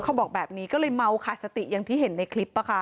เขาบอกแบบนี้ก็เลยเมาขาดสติอย่างที่เห็นในคลิป